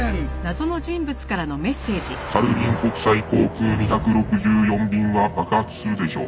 「サルウィン国際航空２６４便は爆発するでしょう」